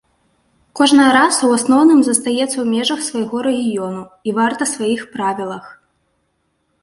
Кожная раса ў асноўным застаецца ў межах свайго рэгіёну і варта сваіх правілах.